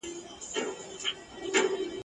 تر هغي پېښي وړاندي خلکو ډېري زدهکړي کړي وې.